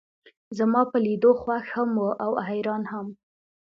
زما پۀ لیدو خوښ هم و او حیران هم.